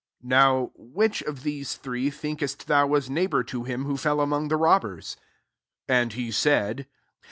36 Now which of these three thinkest thou was neighbour to him who fell among the robbers?" 37 And he said